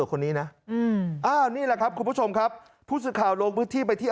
คนนี้นะนี่แหละครับคุณผู้ชมครับผู้สื่อข่าวลงพื้นที่ไปที่